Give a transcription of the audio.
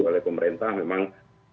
oleh pemerintah memang